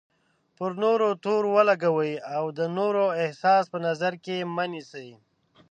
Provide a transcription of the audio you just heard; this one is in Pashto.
پر نورو تور ولګوئ او د نورو احساس په نظر کې مه نیسئ.